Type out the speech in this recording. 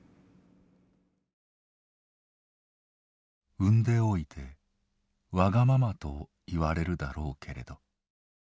「生んでおいてワガママと言われるだろうけれど」。